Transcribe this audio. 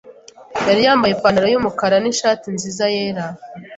Yari yambaye ipantaro yumukara nishati nziza yera.